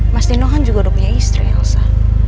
mas dino kan juga udah punya istri elsa